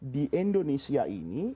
di indonesia ini